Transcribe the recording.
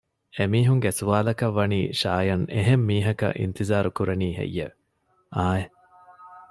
އެމީހުންގެ ސުވާލަކަށް ވަނީ ޝާޔަން އެހެން މީހަކަށް އިންތިޒާރު ކުރަނީ ހެއްޔެވެ؟ އާއެއް